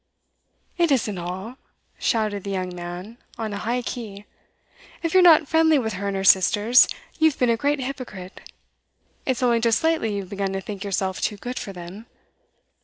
'It isn't all!' shouted the young man on a high key. 'If you're not friendly with her and her sisters, you've been a great hypocrite. It's only just lately you have begun to think yourself too good for them.